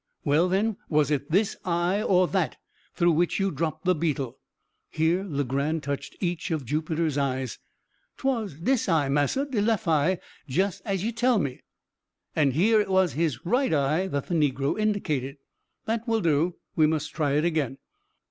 "Well, then, was it this eye or that through which you dropped the beetle?" here Legrand touched each of Jupiter's eyes. "'Twas dis eye, massa de lef eye jis as you tell me," and here it was his right eye that the negro indicated. "That will do we must try it again."